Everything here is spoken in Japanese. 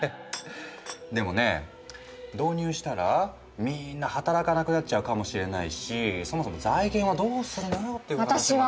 でもね導入したらみんな働かなくなっちゃうかもしれないしそもそも財源はどうするのよって話も。